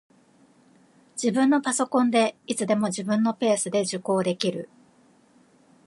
自分のパソコンで、いつでも自分のペースで受講できる